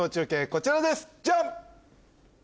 こちらですジャン！